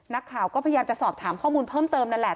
นักข่าวก็พยายามจะสอบถามข้อมูลเพิ่มเติมนั่นแหละ